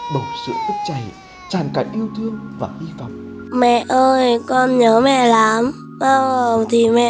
bầu sữa tức chảy tràn cả yêu thương và hy vọng